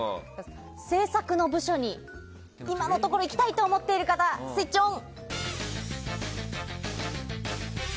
制作の部署に今のところ行きたいと思っている方スイッチオン！